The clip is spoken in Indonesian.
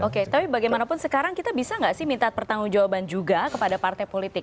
oke tapi bagaimanapun sekarang kita bisa nggak sih minta pertanggung jawaban juga kepada partai politik